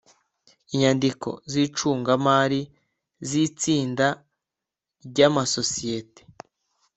Inyandiko z icungamari z itsinda ry amasosiyete